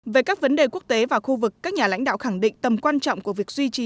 về các vấn đề quốc tế và khu vực các nhà lãnh đạo khẳng định tầm quan trọng của việc duy trì